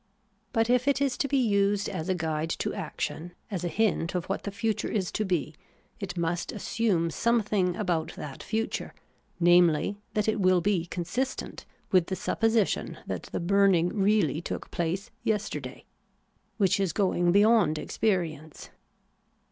But if it is to be used as a guide to action, as a hint of what the future is to be, it must assume some thing about that future, namely, that it will be consis tent with the supposition that the burning really took place yesterday ; which is going beyond experience.